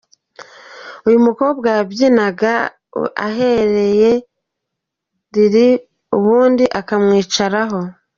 Uyu mukobwa yabyinaga ahenera Lil Wayne, ubundi akamwicaraho.